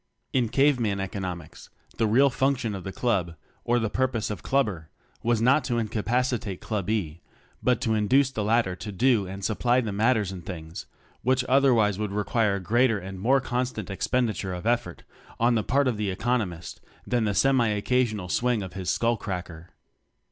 In cave man economics, the real function of the club or the purpose of Club er was not to incapacitate Club ee, but to induce the latter to do and supply the matters and things which otherwise would require greater and more constant expenditure of ef fort on the part of the economist, than the semi occasional swing of his skull cracker.